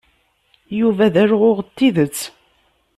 Yuba d alɣuɣ n tidet.